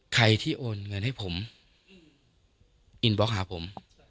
ใครที่โอนเงินให้ผมอินบล็อกหาผม